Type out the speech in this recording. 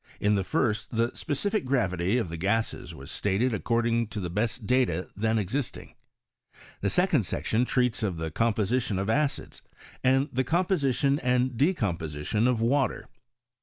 In the first the speci^c gravity of the gases was stated ac< cording to the best data then existing. The second section treats of the composition of acids, and the composition and decomposition of water.